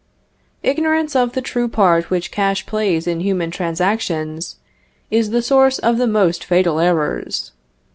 Ignorance of the true part which cash plays in human transactions, is the source of the most fatal errors.